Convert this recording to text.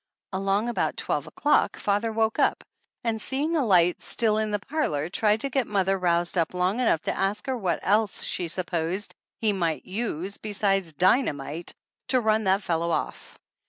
Along about twelve o'clock father woke up, and seeing a light still in the parlor, tried to get mother roused up long enough to ask her what else she supposed he might use besides dynamite to run that fellow off.